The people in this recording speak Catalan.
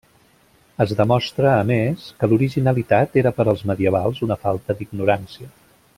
Es demostra, a més, que l'originalitat era per als medievals una falta d'ignorància.